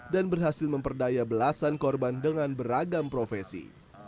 dan berhasil memperdaya belasan korban dengan beragam profesi